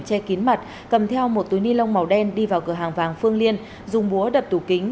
che kín mặt cầm theo một túi ni lông màu đen đi vào cửa hàng vàng phương liên dùng búa đập tủ kính